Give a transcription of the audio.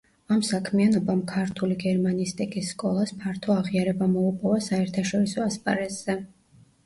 ამ საქმიანობამ ქართული გერმანისტიკის სკოლას ფართო აღიარება მოუპოვა საერთაშორისო ასპარეზზე.